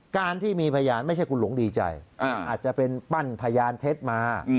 การที่มีพยานไม่ใช่คุณหลงดีใจอาจจะเป็นปั้นพยานเท็จมา